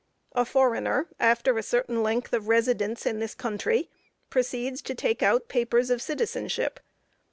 A foreigner, after a certain length of residence in this country, proceeds to take out papers of citizenship.